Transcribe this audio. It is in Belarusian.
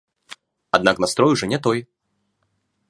Аднак настрой ўжо не той.